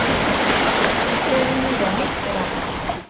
Yettaru Yuba isefra.